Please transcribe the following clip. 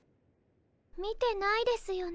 見てないですよね？